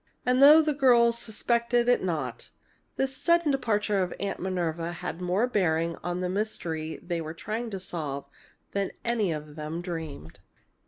And, though the girls suspected it not, this sudden departure of Aunt Minerva had more bearing on the mystery they were trying to solve than any of them dreamed!